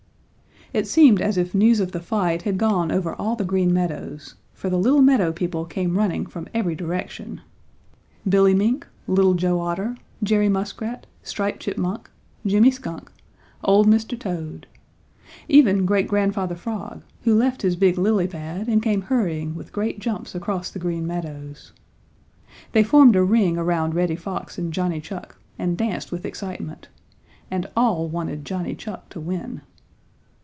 It seemed as if news of the fight had gone over all the Green Meadows, for the little meadow people came running from every direction Billy Mink, Little Joe Otter, Jerry Muskrat, Striped Chipmunk, Jimmy Skunk, old Mr. Toad. Even Great Grandfather Frog, who left his big lily pad, and came hurrying with great jumps across the Green Meadows. They formed a ring around Reddy Fox and Johnny Chuck and danced with excitement. And all wanted Johnny Chuck to win.